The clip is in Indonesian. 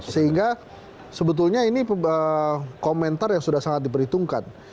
sehingga sebetulnya ini komentar yang sudah sangat diperhitungkan